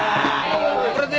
これでよ